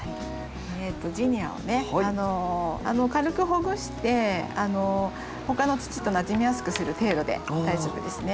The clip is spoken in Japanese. ジニアをね軽くほぐして他の土となじみやすくする程度で大丈夫ですね。